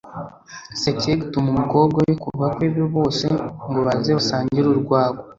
Sacyega atuma umukobwa we ku bakwe be bose ngo baze basangire urwagwa